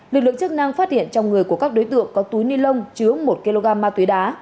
lực lượng chức năng phát hiện trong người của các đối tượng có túi ni lông chứa một kg ma túy đá